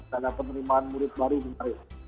karena penerimaan murid murid lain